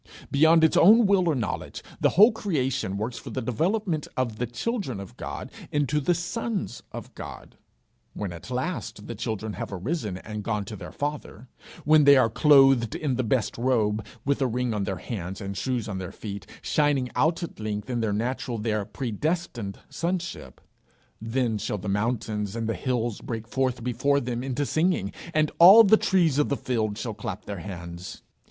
Beyond its own will or knowledge, the whole creation works for the development of the children of God into the sons of God. When at last the children have arisen and gone to their Father; when they are clothed in the best robe, with a ring on their hands and shoes on their feet, shining out at length in their natural, their predestined sonship; then shall the mountains and the hills break forth before them into singing, and all the trees of the field shall clap their hands.